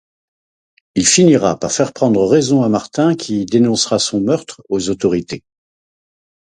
Il finira par faire prendre raison à Martin qui dénoncera son meurtre aux autorités.